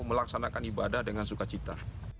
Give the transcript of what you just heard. melaksanakan ibadah dengan suka cita